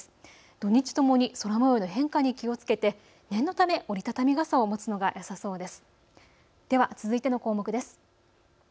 土日ともに空もようの変化に気をつけて念のため折り畳み傘を持つのがよさそうです。